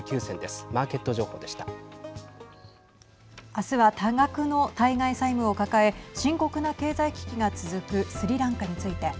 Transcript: あすは多額の対外債務を抱え深刻な経済危機が続くスリランカについて。